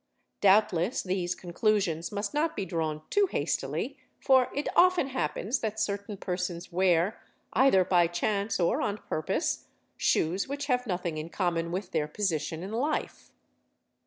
Doubtless these conclusions must not be drawn too hastily, for it often happens that certain persons wear, either by chance or on purpose, shoes which have nothing in common with their position in life.